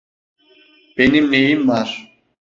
Benim neyim var?